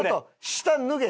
下脱げ。